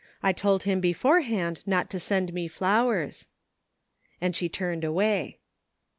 I told him beforehand not to send me flowers." And she turned away.